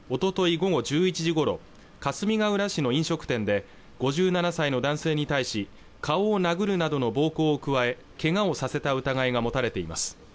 午後１１時ごろかすみがうら市の飲食店で５７歳の男性に対し顔を殴るなどの暴行を加えけがをさせた疑いが持たれています